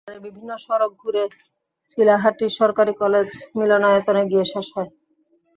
এটি বাজারের বিভিন্ন সড়ক ঘুরে চিলাহাটি সরকারি কলেজ মিলনায়তনে গিয়ে শেষ হয়।